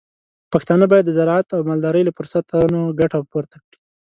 پښتانه بايد د زراعت او مالدارۍ له فرصتونو ګټه پورته کړي.